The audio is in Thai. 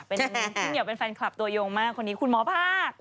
เป็นพี่เหี่ยวเป็นแฟนคลับตัวยงมากคนนี้คุณหมอภาค